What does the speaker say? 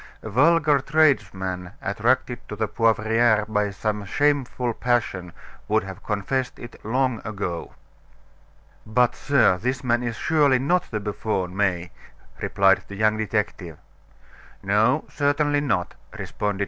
A vulgar tradesman attracted to the Poivriere by some shameful passion would have confessed it long ago." "But, sir, this man is surely not the buffoon, May," replied the young detective. "No, certainly not," responded M.